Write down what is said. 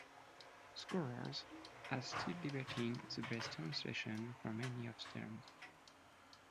Scholars are still debating the best translation for many of the terms.